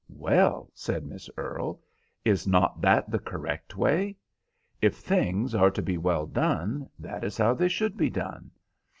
"Well," said Miss Earle, "is not that the correct way? If things are to be well done, that is how they should be done.